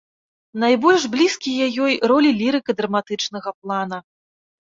Найбольш блізкія ёй ролі лірыка-драматычнага плана.